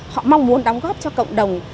họ mong muốn đóng góp cho cộng đồng